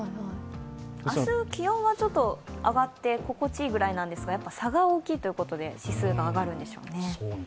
明日、気温は上がって心地いいぐらいなんですが差が大きいということで指数が上がるんでしょうね。